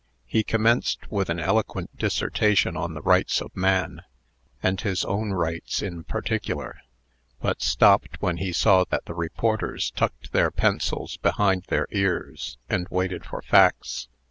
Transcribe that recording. He commenced with an eloquent dissertation on the rights of man, and his own rights in particular, but stopped when he saw that the reporters tucked their pencils behind their ears, and waited for facts.